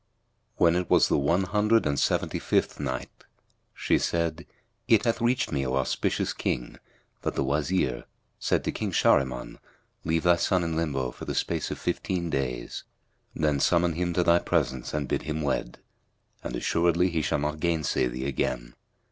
When it was the One Hundred and Seventy fifth Night, She said, It hath reached me, O auspicious King, that the Wazir, said to King Shahriman, "Leave thy son in limbo for the space of fifteen days; then summon him to thy presence and bid him wed; and assuredly he shall not gainsay thee again."